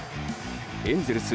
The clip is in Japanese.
エンゼルス